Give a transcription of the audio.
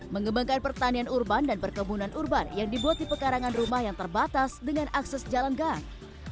mengembangkan pertanian urban dan perkebunan urban yang dibuat di pekarangan rumah yang terbatas dengan akses jalan gang